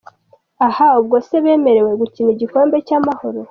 ahaa ubwose bemerewe gukina igikombe cy’amahoro.